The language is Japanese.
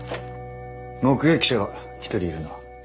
目撃者が一人いるな。